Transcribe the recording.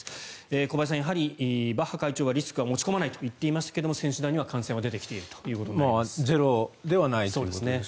小林さん、やはりバッハ会長はリスクは持ち込まないと言っていますが選手団には感染が出てきているということです。